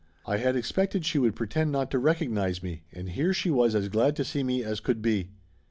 I had expected she would pretend not to recognize me, and here she was as glad to see me as could be.